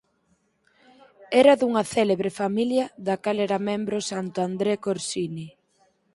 Era dunha célebre familia da cal era membro santo André Corsini.